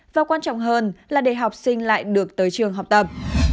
và quan trọng hơn là để học sinh lại được tới trường học tập